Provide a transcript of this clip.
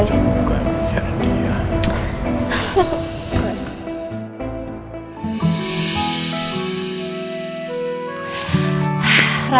jangan mikir dia